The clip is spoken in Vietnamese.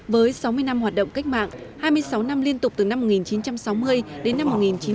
với sáu mươi năm hoạt động cách mạng hai mươi sáu năm liên tục từ năm một nghìn chín trăm sáu mươi đến năm một nghìn chín trăm bốn mươi năm